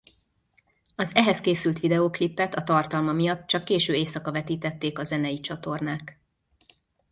Az ehhez készült videóklipet a tartalma miatt csak késő éjszaka vetítették a zenei csatornák.